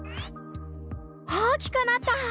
大きくなった！